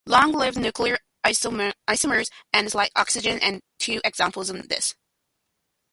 Long-lived nuclear isomers and singlet oxygen are two examples of this.